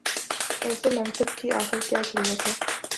ایسے منصب کی آخر کیا ضرورت ہے؟